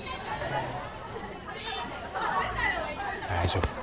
大丈夫。